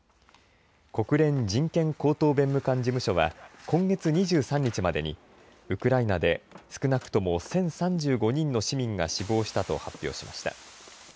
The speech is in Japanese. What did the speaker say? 国連人権高等弁務官事務所は今月２３日までにウクライナで少なくとも１０３５人の市民が死亡したと発表しました。